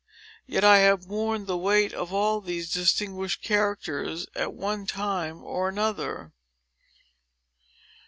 Yet I have borne the weight of all these distinguished characters, at one time or another."